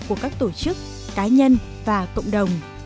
của các tổ chức cá nhân và cộng đồng